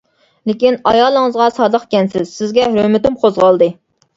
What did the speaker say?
— لېكىن ئايالىڭىزغا سادىقكەنسىز، سىزگە ھۆرمىتىم قوزغالدى.